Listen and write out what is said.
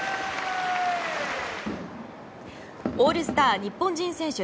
オールスター日本人選手